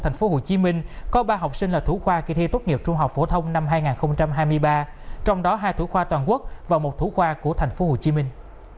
thành phố hồ chí minh có ba học sinh là thủ khoa kỳ thi tốt nghiệp trung học phổ thông năm hai nghìn hai mươi ba trong đó hai thủ khoa toàn quốc và một thủ khoa của thành phố hồ chí minh